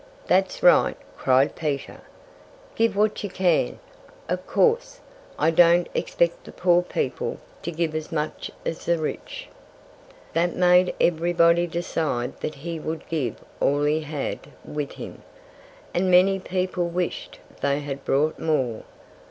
"That's right!" Peter cried. "Give what you can! Of course, I don't expect the poor people to give as much as the rich." That made everybody decide that he would give all he had with him. And many people wished they had brought more.